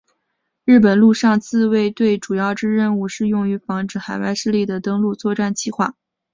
日本陆上自卫队主要之任务是用于防止海外势力的登陆作战计划。